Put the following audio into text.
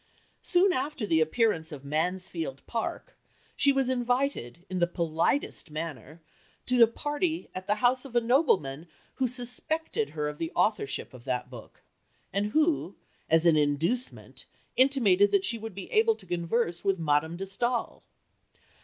Soon after the appearance of Mansfield Park she was invited, "in the politest manner," to a party at the house of a nobleman who suspected her of the authorship of that book, and who, as an inducement, intimated that she would be able to converse with Madame de Staël.